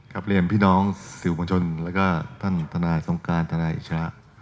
เรียนพี่น้องสื่อมวลชนแล้วก็ท่านทนายสงการทนายอิสระ